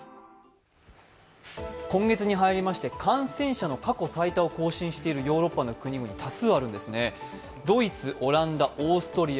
今月に入りまして感染者の過去最多を更新しているヨーロッパの国々、多数あるんですね。